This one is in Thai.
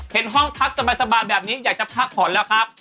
เห็นห้องพักสบายแบบนี้อยากจะพักผ่อนแล้วครับ